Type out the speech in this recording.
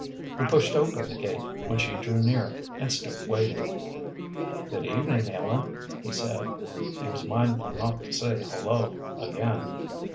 He pushed open the gate when she drew near, and stood waiting. "Good evening, Ellen," he said. He was mindful not to say "Hullo" again.